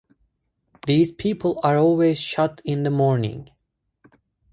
These people are always shot in the morning.